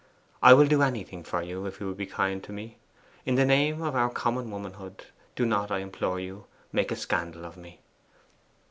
I will do anything for you, if you will be kind to me. In the name of our common womanhood, do not, I implore you, make a scandal of me.